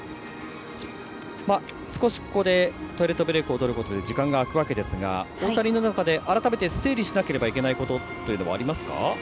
少し、ここでトイレットブレークを取ることで時間が空くわけですが大谷の中で改めて整理をしなくてはいけないことはありますか？